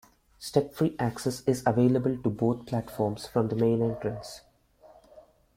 Step-free access is available to both platforms from the main entrance.